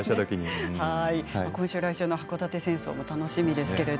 今週、来週の箱館戦争も楽しみです。